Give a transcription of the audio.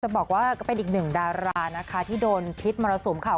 บอกว่าก็เป็นอีกหนึ่งดารานะคะที่โดนพิษมรสุมค่ะ